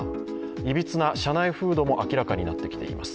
いびつな社内風土も明らかになってきています。